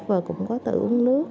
và cũng có tự uống nước